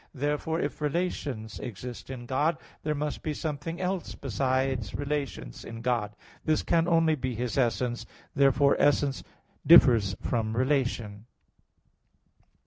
Therefore, if relations exist in God, there must be something else besides relation in God. This can only be His essence. Therefore essence differs from relation.